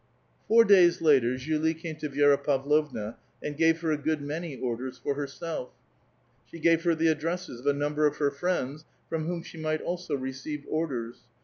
Four days later Julie came to Vi^ra Pavlovna and gave her a good many orders for herself ; she gave her the ad dresses of a number of her friends, from whom she might also receive orders.